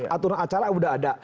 aturan acara sudah ada